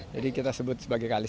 jadi kita sebut sebagai kali